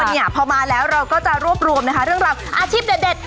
เนี่ยพอมาแล้วเราก็จะรวบรวมนะคะเรื่องราวอาชีพเด็ด